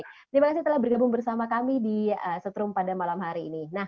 terima kasih telah bergabung bersama kami di setrum pada malam hari ini